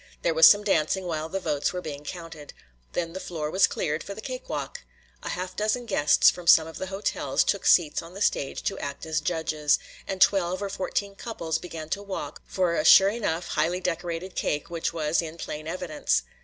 There was some dancing while the votes were being counted. Then the floor was cleared for the cake walk. A half dozen guests from some of the hotels took seats on the stage to act as judges, and twelve or fourteen couples began to walk for a sure enough, highly decorated cake, which was in plain evidence.